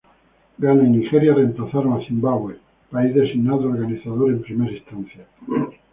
Ghana y Nigeria reemplazaron a Zimbabue, país designado organizador en primera instancia.